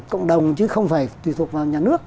cộng đồng chứ không phải tùy thuộc vào nhà nước